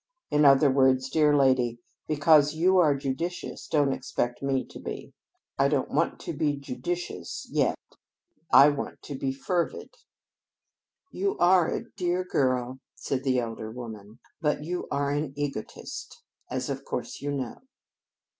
In other words, dear lady, because you are judicious, don't expect me to be. I don't want to be judicious yet. I want to be fervid." "You are a dear girl," said the elder woman, "but you are an egotist, as of course you know."